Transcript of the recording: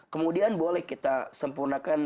kemudian boleh kita sempurnakan